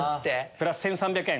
プラス１３００円。